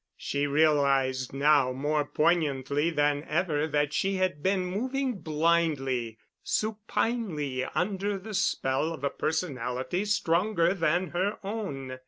She realized now more poignantly than ever that she had been moving blindly, supinely, under the spell of a personality stronger than her own.